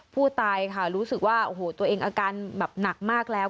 ผู้ตายค่ะรู้สึกว่าโอ้โหตัวเองอาการแบบหนักมากแล้ว